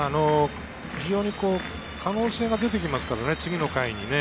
非常に可能性が出てきますからね、次の回に。